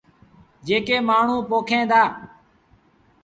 جيڪي مآڻهوٚݩ پوکين دآ۔